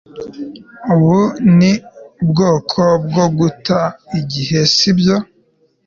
ubu ni ubwoko bwo guta igihe, sibyo